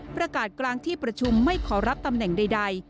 กลางที่ประชุมไม่ขอรับตำแหน่งใด